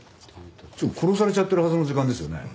殺されちゃってるはずの時間ですよね？